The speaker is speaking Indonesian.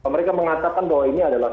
mereka mengatakan bahwa ini adalah